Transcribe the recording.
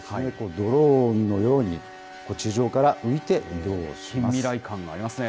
ドローンのように地上から浮いて近未来感がありますね。